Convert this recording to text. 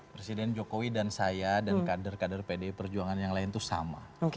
presiden jokowi dan saya dan kader kader pdi perjuangan yang lain itu sama